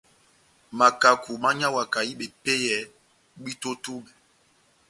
Makaku mányawakandi bepéyɛ bwíto ó tubɛ.